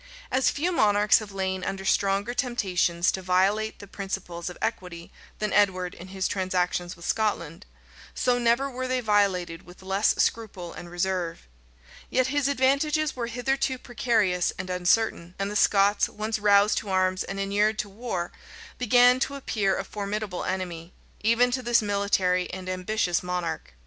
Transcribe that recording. As few monarchs have lain under stronger temptations to violate the principles of equity than Edward in his transactions with Scotland, so never were they violated with less scruple and reserve: yet his advantages were hitherto precarious and uncertain, and the Scots, once roused to arms and inured to war, began to appear a formidable enemy, even to this military and ambitious monarch.